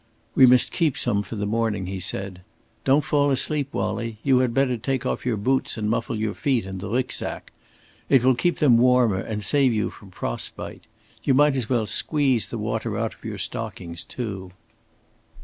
"We must keep some for the morning," he said. "Don't fall asleep, Wallie! You had better take off your boots and muffle your feet in the Rücksack. It will keep them warmer and save you from frost bite. You might as well squeeze the water out of your stockings too."